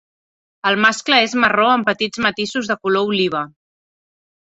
Els mascle és marró amb petits matisos de color oliva.